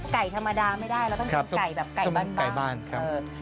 ไก่ธรรมดาไม่ได้แล้วต้องเป็นไก่แบบไก่บ้านบ้านครับ